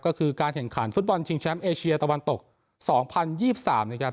ก็คือการแข่งขันฟุตบอลชิงแชมป์เอเชียตะวันตก๒๐๒๓นะครับ